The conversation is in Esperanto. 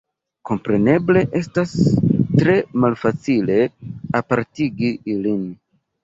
Kompreneble estas tre malfacile apartigi ilin.